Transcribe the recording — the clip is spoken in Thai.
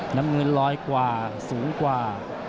น้ำเงินลอยกว่าสูงกว่า